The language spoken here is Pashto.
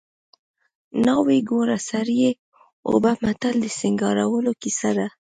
ناوې ګوره سر یې اوبه متل د سینګارولو کیسه ده